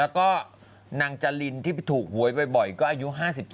แล้วก็นางจรินที่ถูกหวยบ่อยก็อายุ๕๒